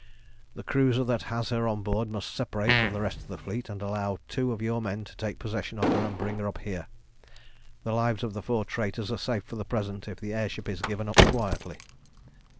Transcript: "The cruiser that has her on board must separate from the rest of the fleet and allow two of your men to take possession of her and bring her up here. The lives of the four traitors are safe for the present if the air ship is given up quietly."